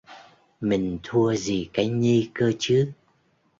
Mình thua gì cái nhi cơ chứ